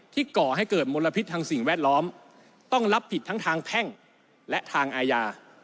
ก่อให้เกิดมลพิษทางสิ่งแวดล้อมต้องรับผิดทั้งทางแพ่งและทางอาญา